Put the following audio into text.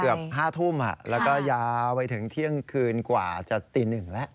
เกือบ๕ทุ่มแล้วก็ยาวไปถึงเที่ยงคืนกว่าจะตี๑แล้ว